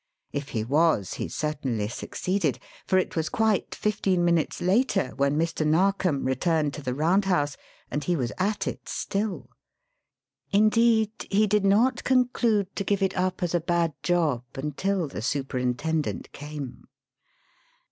If he was, he certainly succeeded; for it was quite fifteen minutes later when Mr. Narkom returned to the Round House, and he was at it still. Indeed, he did not conclude to give it up as a bad job until the superintendent came.